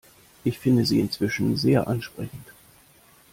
Ich finde sie inzwischen sehr ansprechend.